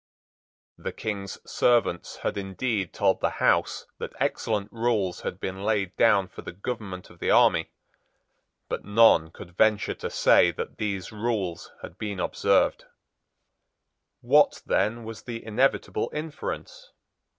The King's servants had indeed told the House that excellent rules had been laid down for the government of the army; but none could venture to say that these rules had been observed. What, then, was the inevitable inference?